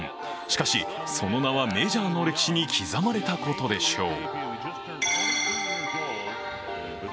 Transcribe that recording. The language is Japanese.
しかし、その名はメジャーの歴史に刻まれたことでしょう。